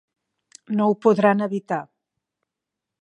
No ho podran evitar!